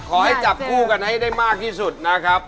ขอให้จับคู่กันให้ได้มากที่สุดนะครับ